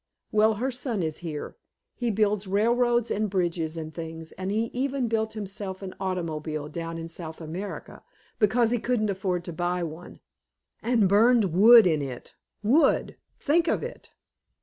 Well, her son is here! He builds railroads and bridges and things, and he even built himself an automobile down in South America, because he couldn't afford to buy one, and burned wood in it! Wood! Think of it!